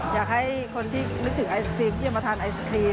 อยากให้คนที่นึกถึงไอศครีมที่จะมาทานไอศครีม